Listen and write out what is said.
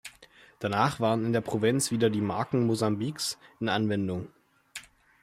Danach waren in der Provinz wieder die Marken Mosambiks in Anwendung.